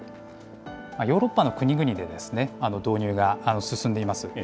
ヨーロッパの国々で導入が進んでいます。